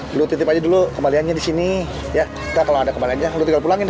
dulu titip aja dulu kembaliannya di sini ya kalau ada kembaliannya udah pulangin